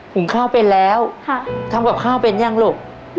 หุงข้าวเป็นแล้วทำกับข้าวเป็นยังลูก